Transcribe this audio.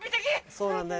そうなんだよな。